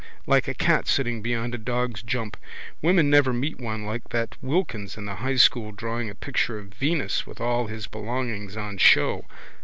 Like a cat sitting beyond a dog's jump. Women never meet one like that Wilkins in the high school drawing a picture of Venus with all his belongings on show.